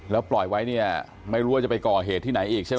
แล้วปล่อยไว้เนี่ยไม่รู้ว่าจะไปก่อเหตุที่ไหนอีกใช่ไหม